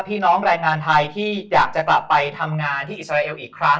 พี่น้องแรงงานไทยที่อยากจะกลับไปทำงานที่อิสราเอลอีกครั้ง